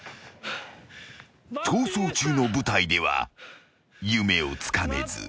［『逃走中』の舞台では夢をつかめず敗退］